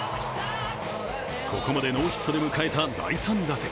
ここまでノーヒットで迎えた第３打席。